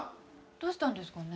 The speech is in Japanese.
どうしたんですかね？